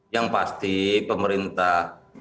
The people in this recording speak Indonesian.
yang pasti pemerintah